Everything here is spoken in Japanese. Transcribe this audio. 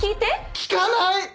聞かない！